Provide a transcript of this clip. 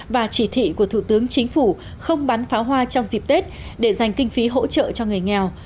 và chỉ thị của thủ tướng chính phủ không bắn pháo hoa trong dịp tết để dành kinh phí hỗ trợ cho người nghèo